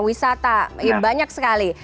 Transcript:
wisata banyak sekali